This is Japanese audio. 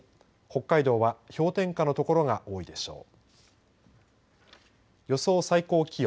北海道は氷点下の所が多いでしょう。